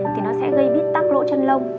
thì nó sẽ gây bít tắp lỗ chân lông